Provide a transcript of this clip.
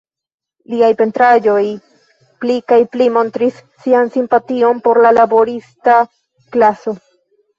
Liaj pentraĵoj pli kaj pli montris sian simpation por la laborista klaso.